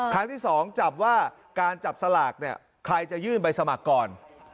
ครั้งที่๒จับว่าการจับสลากเนี่ยใครจะยื่นใบสมัครก่อน